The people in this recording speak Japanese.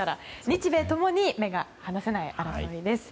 日米ともに目が離せない争いです。